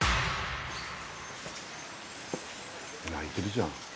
泣いてるじゃん。